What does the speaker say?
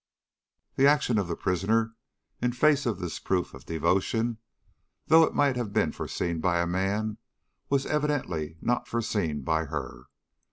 "The action of the prisoner, in face of this proof of devotion, though it might have been foreseen by a man, was evidently not foreseen by her.